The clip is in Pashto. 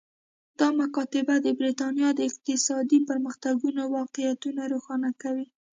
دا مکاتبه د برېټانیا د اقتصادي پرمختګونو واقعیتونه روښانه کوي